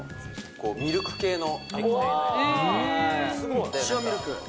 ミルク系の。